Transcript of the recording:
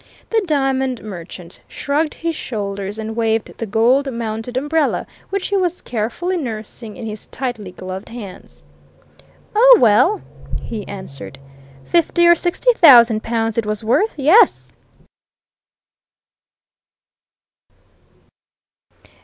The diamond merchant shrugged his shoulders and waved the gold mounted umbrella which he was carefully nursing in his tightly gloved hands. "Oh, well!" he answered. "Fifty or sixty thousand pounds it was worth yes!"